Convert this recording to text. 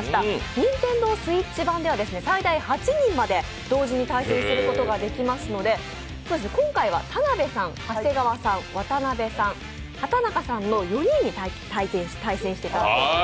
ＮｉｎｔｅｎｄｏＳｗｉｔｃｈ版では最大８人まで同時に対戦することができますので、今回は田辺さん、長谷川さん、渡辺さん、畠中さんの４人に対戦していただこうと思います。